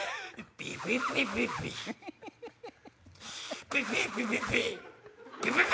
ビビビビビ！